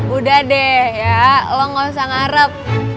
udah deh ya lo gak usah ngarep